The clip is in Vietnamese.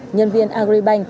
nhân viên ago